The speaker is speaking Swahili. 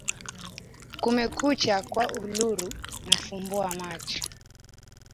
Kumekucha kwa Uluru nafumbua macho